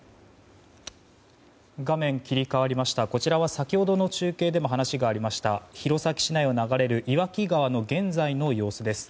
画面切り替わりましたこちらは、先ほどの中継でも話がありました弘前市内を流れる岩木川の現在の様子です。